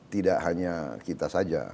tidak hanya kita saja